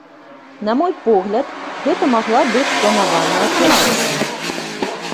На мой погляд, гэта магла быць спланаваная аперацыя.